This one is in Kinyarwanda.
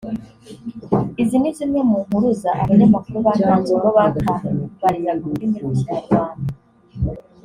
… izi ni zimwe mu mpuruza abanyamakuru batanze ubwo batabarizaga ururimi rw’ Ikinyarwanda